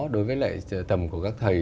đối với lại tầm của các thầy